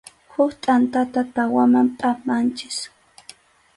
Huk tʼantata tawaman phatmanchik.